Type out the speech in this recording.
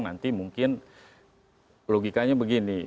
nanti mungkin logikanya begini